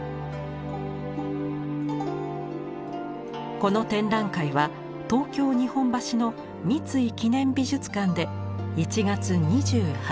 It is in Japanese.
この展覧会は東京・日本橋の三井記念美術館で１月２８日まで。